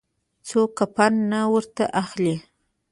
څوک کفن نه ورته اخلي.